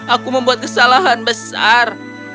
aku membuat kesalahan besar